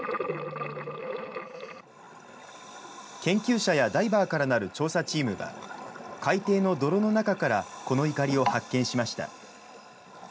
研究者やダイバーからなる調査チームが、海底の泥の中から、このいかりを発見しました。